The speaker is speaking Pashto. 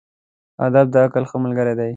ادب د عقل ښه ملګری دی.